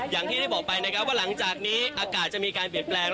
อย่างที่ได้บอกไปนะครับว่าหลังจากนี้อากาศจะมีการเปลี่ยนแปลง